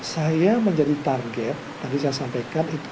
saya menjadi target tadi saya sampaikan